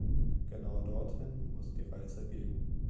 Genau dorthin muss die Reise gehen.